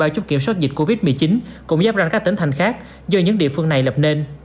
một mươi ba chốt kiểm soát dịch covid một mươi chín cùng giáp ranh các tỉnh thành khác do những địa phương này lập nên